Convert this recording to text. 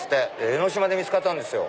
江の島で見つかったんですよ。